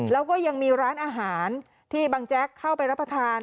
แล้วก็ยังมีร้านอาหารที่บังแจ๊กเข้าไปรับประทาน